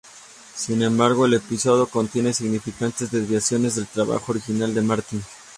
Sin embargo, el episodio contiene significantes desviaciones del trabajo original de Martin.